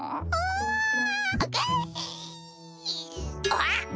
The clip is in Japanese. あっ！